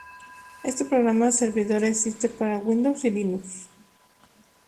Este programa servidor existe para Windows y Linux.